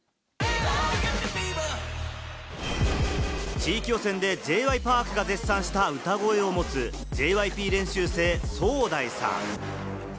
地域予選でＪ．Ｙ．Ｐａｒｋが絶賛した歌声を持つ、ＪＹＰ練習生・ソウダイさん。